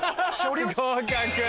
合格。